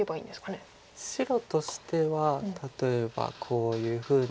白としては例えばこういうふうに。